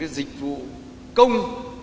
dịch vụ công